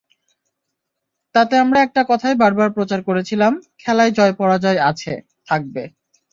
তাতে আমরা একটা কথাই বারবার প্রচার করেছিলাম, খেলায় জয়-পরাজয় আছে, থাকবে।